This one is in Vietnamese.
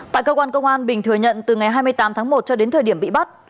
tại cơ quan công an bình thừa nhận từ ngày hai mươi tám tháng một cho đến thời điểm bị bắt